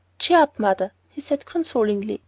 "Cheer up, mother," he said, consolingly.